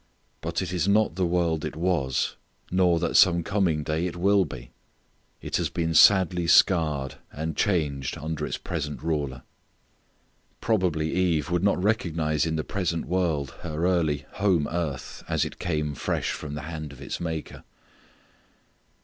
But it is not the world it was, nor that some coming day it will be. It has been sadly scarred and changed under its present ruler. Probably Eve would not recognize in the present world her early home earth as it came fresh from the hand of its Maker.